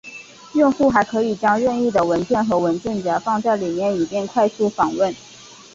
用户还可以将任意的文件和文件夹放在里面以便快速访问。